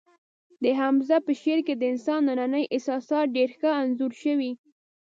د حمزه په شعر کې د انسان ننني احساسات ډېر ښه انځور شوي